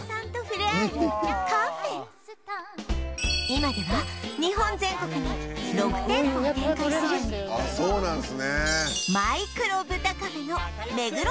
今では日本全国に６店舗を展開するマイクロブタカフェの目黒店